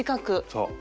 そう。